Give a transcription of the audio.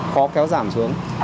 khó kéo giảm xuống